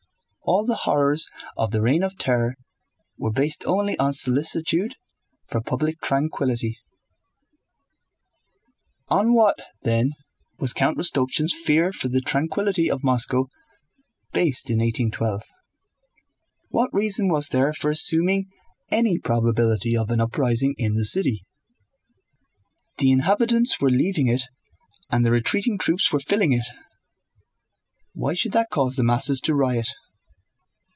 All the horrors of the reign of terror were based only on solicitude for public tranquillity. On what, then, was Count Rostopchín's fear for the tranquillity of Moscow based in 1812? What reason was there for assuming any probability of an uprising in the city? The inhabitants were leaving it and the retreating troops were filling it. Why should that cause the masses to riot?